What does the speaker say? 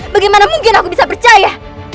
bagaimana mungkin aku bisa percaya